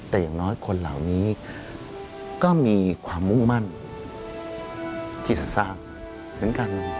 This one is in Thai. แต่อย่างน้อยคนเหล่านี้ก็มีความมุ่งมั่นที่จะทราบเหมือนกัน